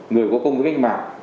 người có công với cách mạng